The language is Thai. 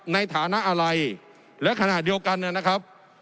ในฐานะอะไรและขณะเดียวกันนะครับ